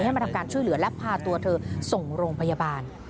มาทำการช่วยเหลือและพาตัวเธอส่งโรงพยาบาล